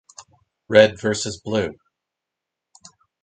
Red versus Blue.